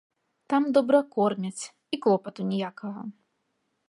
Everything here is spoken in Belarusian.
Там добра кормяць, і клопату ніякага.